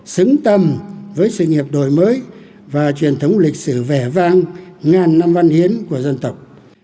xứng tầm với sự nghiệp đổi mới và truyền thống lịch sử vẻ vang ngàn năm văn hiến của dân tộc